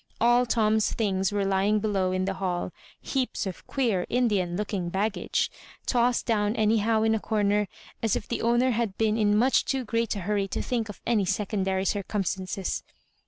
AU Tom's things were lying below in the hall — Cheaps of queer Indian looking bag gage — ^tossed down anyhow in a comer, as if the owner had been in much too great a hurry to think of any secondary circumstances.